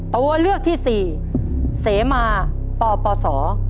ตัวเลือกที่๔เสมอปปส